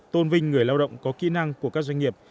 tôn vinh người lao động có kỹ năng của các doanh nghiệp